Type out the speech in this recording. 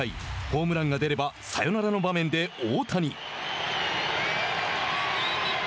ホームランが出ればサヨナラの場面で大谷。